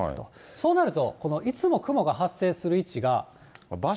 そうなると、いつも雲が発生する位置が。